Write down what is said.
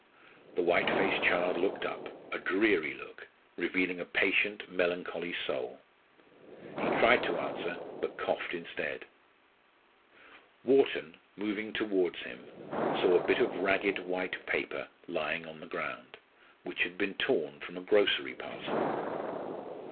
The white faced child looked up, a dreary look, revealing a patient, melancholy soul. He tried to answer, but coughed instead. Wharton, moving towards him, saw a bit of ragged white paper lying on the ground, which had been torn from a grocery parcel.